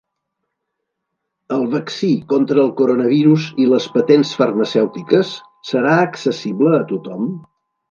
El vaccí contra el coronavirus i les patents farmacèutiques: serà accessible a tothom?